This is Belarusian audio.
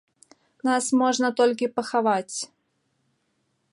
Нас можна толькі пахаваць.